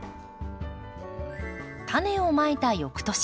タネをまいた翌年。